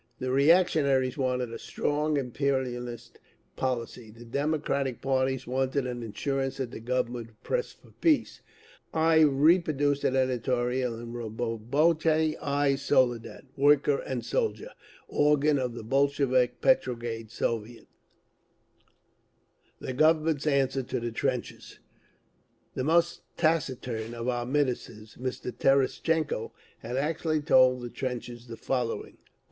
The reactionaries wanted a "strong" imperialist policy; the democratic parties wanted an assurance that the Government would press for peace…. I reproduce an editorial in Rabotchi i Soldat (Worker and Soldier), organ of the Bolshevik Petrograd Soviet: THE GOVERNMENT'S ANSWER TO THE TRENCHES The most taciturn of our Ministers, Mr. Terestchenko, has actually told the trenches the following: 1.